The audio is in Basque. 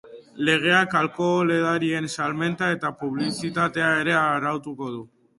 Legeak alkohol edarien salmenta eta publizitatea ere arautuko du.